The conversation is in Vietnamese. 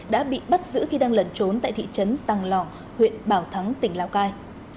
đã bị bắt giữ khi đang lẩn trốn tại thị trấn tăng lò huyện bảo thắng tỉnh lào cai